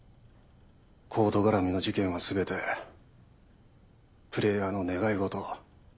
ＣＯＤＥ絡みの事件は全てプレイヤーの願い事。